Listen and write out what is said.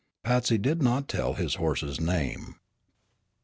Patsy did not tell his horse's name.